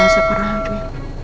elsa pernah hamil